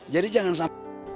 jadi jangan sampai